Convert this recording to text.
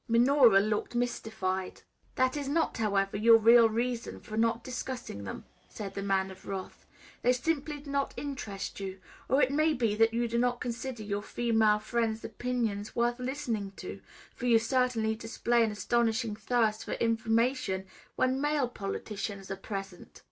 Minora looked mystified. "That is not, however, your real reason for not discussing them," said the Man of Wrath; "they simply do not interest you. Or it may be, that you do not consider your female friends' opinions worth listening to, for you certainly display an astonishing thirst for information when male politicians are present.